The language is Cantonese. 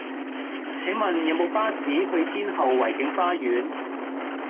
請問有無巴士去天后維景花園